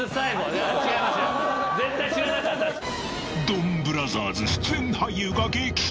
［『ドンブラザーズ』出演俳優が撃沈！］